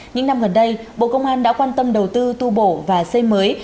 những năm gần đây bộ công an đã quan tâm đầu tư tu bổ và xây mới